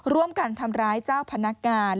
ร่วมกันทำร้ายเจ้าพนักงาน